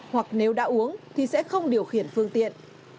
hoặc nếu đã uống thì sẽ không điều khiển phương tiện